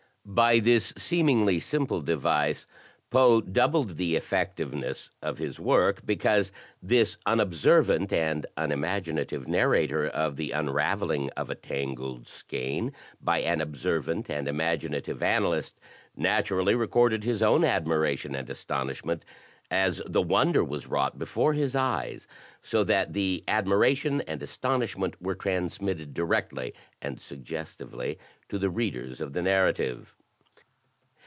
By this seemingly simple device Poe doubled the effectiveness of his work, because / this unobservant and unimaginative narrator of the unravel \ ing of a tangled skein by an observant and imaginative ' analyst naturally recorded his own admiration and astonish ment as the wonder was wrought before his eyes, so that the i admiration and astonishment were transmitted directly and suggestively, to the readers of the narrative.